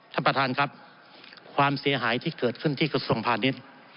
ท่านประธานครับความเสียหายที่เกิดขึ้นที่กระทรวงพาณิชย์